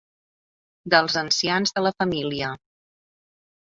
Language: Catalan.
Dels ancians de la família.